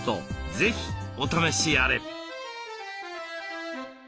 是非お試しあれ。